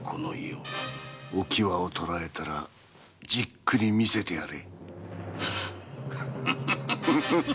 お喜和を捕らえたらじっくり見せてやれ。